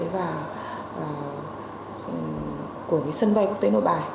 và của cái sân bay quốc tế nội bài